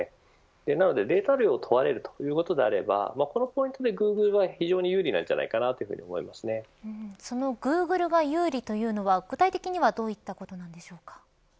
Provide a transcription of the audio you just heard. なのでデータ量を問われるということになればこのポイントでグーグルはそのグーグルが有利というのは具体的にはどういったことなんでしょうか。